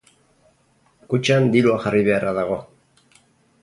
Kutxan dirua jarri beharra dago.